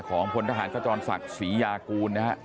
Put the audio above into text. ของคนทหารกระจอนศักดิ์ศรียากูลนะฮะ